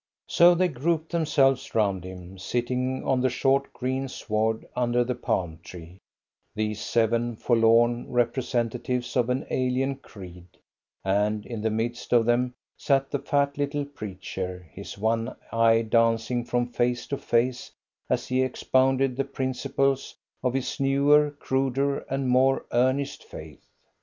So they grouped themselves round him, sitting on the short green sward under the palm tree, these seven forlorn representatives of an alien creed, and in the midst of them sat the fat little preacher, his one eye dancing from face to face as he expounded the principles of his newer, cruder, and more earnest faith.